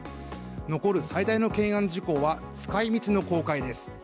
残る最大の懸案事項は使い道の公開です。